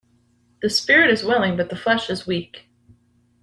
The spirit is willing but the flesh is weak